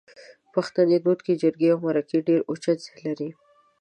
په پښتني دود کې جرګې او مرکې ډېر اوچت ځای لري